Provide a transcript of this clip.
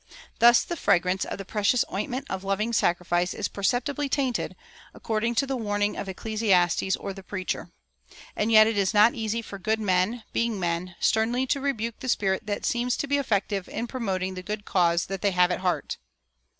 Thus the fragrance of the precious ointment of loving sacrifice is perceptibly tainted, according to the warning of Ecclesiastes or the Preacher. And yet it is not easy for good men, being men, sternly to rebuke the spirit that seems to be effective in promoting the good cause that they have at heart.